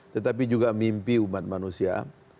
tetapi juga mimpi umat manusia